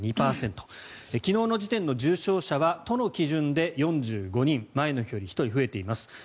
昨日の時点の重症者は都の基準で４５人前の日より１人増えています。